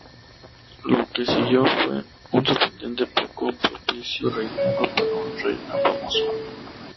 Lo que siguió fue "un sorprendentemente poco propicio reinado para un rey tan famoso".